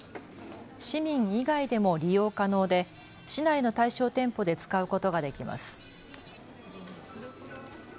市民以外でも利用可能で市内の対象店舗で使うことができます。